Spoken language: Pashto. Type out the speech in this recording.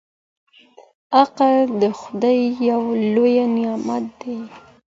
عقل د خدای يو لوی نعمت دی.